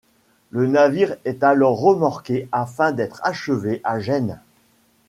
Le navire est alors remorqué afin d'être achevé à Gênes.